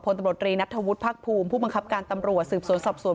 ตำรวจรีนัทธวุฒิภาคภูมิผู้บังคับการตำรวจสืบสวนสอบสวน